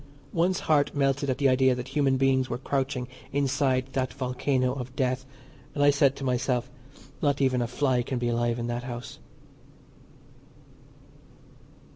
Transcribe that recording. One's heart melted at the idea that human beings were crouching inside that volcano of death, and I said to myself, "Not even a fly can be alive in that house."